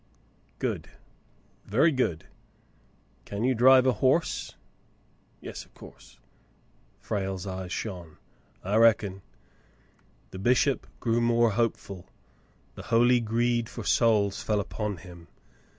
"Good, very good. Can you drive a horse .^ Yes, of course." Frale's eyes shone. " I reckon." The bishop grew more hopeful. The holy greed for souls fell upon him.